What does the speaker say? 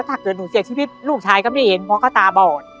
ถ้าเกิดหนูเสียชีวิตลูกชายก็ไม่เห็นเพราะก็ตาบอด